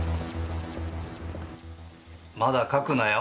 まだ書くなよ。